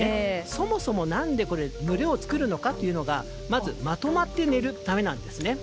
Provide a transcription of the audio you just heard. そもそも、何で群れを作るのかというとまずまとまって寝るためなんですね。